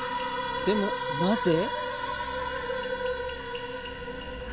でもなぜ？